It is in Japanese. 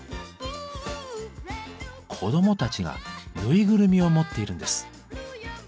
子どもたちがぬいぐるみを持っているんです。